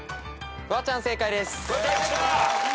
フワちゃん正解です。